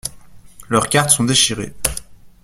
Leurs cartes sont déchirées.